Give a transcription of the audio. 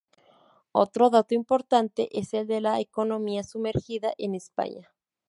Otro dato importante es el de la economía sumergida en España.